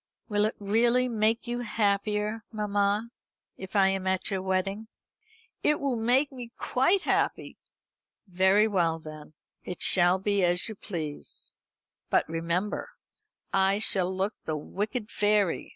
"Will it really make you happier, mamma, if I am at your wedding?" "It will make me quite happy." "Very well then; it shall be as you please. But, remember, I shall look like the wicked fairy.